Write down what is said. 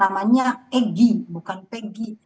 namanya egy bukan pegi